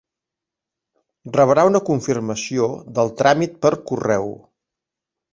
Rebrà una confirmació del tràmit per correu.